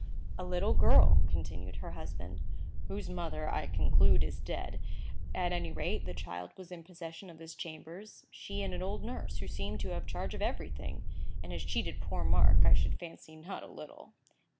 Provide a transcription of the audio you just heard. "A little girl," continued her husband, "whose mother, I conclude, is dead. At any rate, the child was in possession of his chambers; she and an old nurse, who seemed to have the charge of everything, and has cheated poor Mark, I should fancy, not a little."